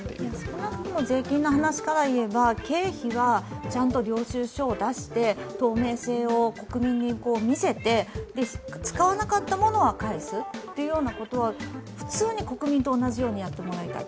少なくとも税金の話から言えば、経費はちゃんと領収書を出して、透明性を国民に見せて使わなかったものは返すというようなことは普通に国民と同じようにやってもらいたい。